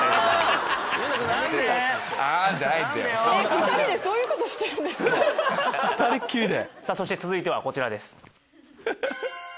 ２人でそういうことしてるんですか⁉そして続いてはこちらです。